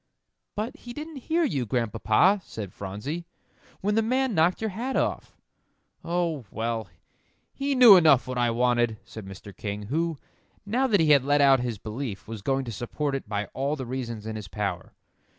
"But he didn't hear you, Grandpapa," said Phronsie, "when the man knocked your hat off." "Oh, well, he knew enough what I wanted," said Mr. King, who, now that he had let out his belief, was going to support it by all the reasons in his power.